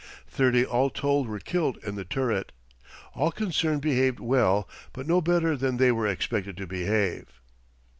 Thirty all told were killed in the turret. All concerned behaved well, but no better than they were expected to behave.